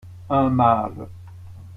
Un mâle.